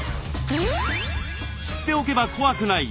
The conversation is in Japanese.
知っておけば怖くない。